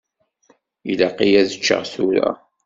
Ilaq-iyi ad ččeɣ tura.